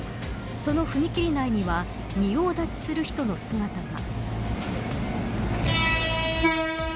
その踏切内には仁王立ちする人の姿が。